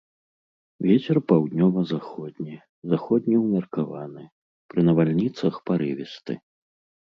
Вецер паўднёва-заходні, заходні ўмеркаваны, пры навальніцах парывісты.